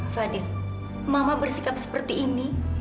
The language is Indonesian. fadil mama bersikap seperti ini